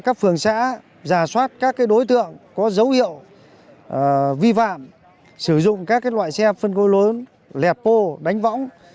các phương xã giả soát các đối tượng có dấu hiệu vi phạm sử dụng các loại xe phân côi lớn lẹp pô đánh võng